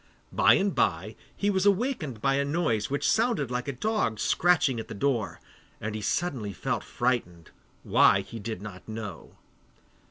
By and by he was awakened by a noise which sounded like a dog scratching at the door, and he suddenly felt frightened, why he did not know.